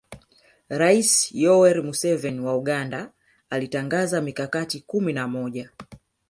Rais Yoweri Museveni wa Uganda alitangaza mikakati kumi na moja